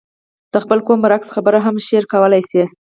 د خپل قوم برعکس خبره هم شعر کولای شي.